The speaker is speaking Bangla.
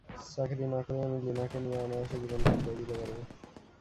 চাকরি না করেই আমি লীনাকে নিয়ে অনায়াসে জীবন পার করে দিতে পারব।